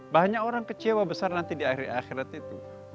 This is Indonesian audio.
banyak orang kecewa besar nanti di akhir akhirat itu